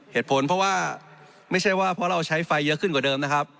เหตุผลเพราะว่าไม่ใช่ว่าเพราะเราใช้ไฟเยอะขึ้นกว่าเดิมนะครับ